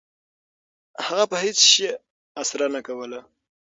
هغه په هیڅ شي اسره نه کوله. .